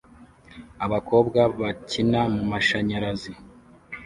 Abakobwa bakina mumashanyarazi